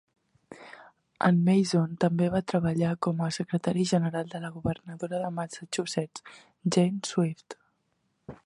En Mason també va treballar com a secretari general de la governadora de Massachusetts, Jane Swift.